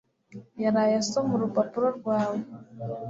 yaraye asoma urupapuro rwawe